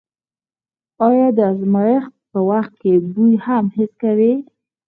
آیا د ازمایښت په وخت کې بوی هم حس کوئ؟